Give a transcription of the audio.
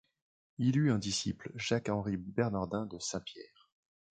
Il eut un disciple, Jacques-Henri Bernadin de Saint-Pierre.